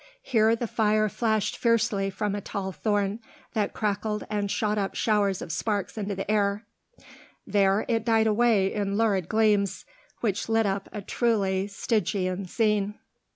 Here the fire flashed fiercely from a tall thorn, that crackled and shot up showers of sparks into the air; there it died away in lurid gleams, which lit up a truly Stygian scene.